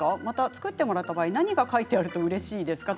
作ってもらった場合何が書いてあるとうれしいですか。